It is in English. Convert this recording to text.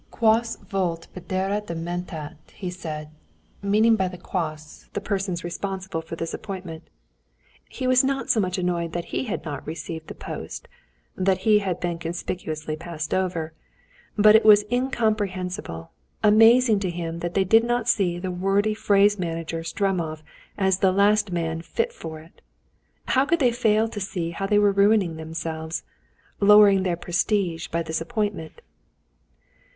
"Quos vult perdere dementat," he said, meaning by quos the persons responsible for this appointment. He was not so much annoyed that he had not received the post, that he had been conspicuously passed over; but it was incomprehensible, amazing to him that they did not see that the wordy phrase monger Stremov was the last man fit for it. How could they fail to see how they were ruining themselves, lowering their prestige by this appointment?